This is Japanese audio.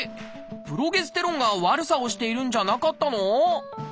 プロゲステロンが悪さをしているんじゃなかったの？